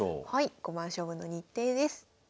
五番勝負の日程です。